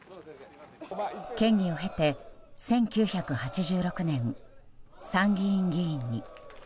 県議を経て１９８６年、参議院議員に。